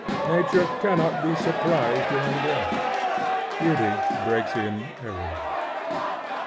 Nature cannot be surprised in undress. Beauty breaks in everywhere.